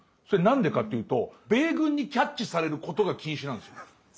それ何でかっていうと米軍にキャッチされることが禁止なんですよ。